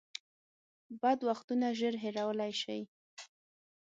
بد وختونه ژر هېرولی شئ .